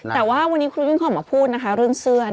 แต่ว่าวันนี้ครูยุ่นเขาออกมาพูดนะคะเรื่องเสื้อ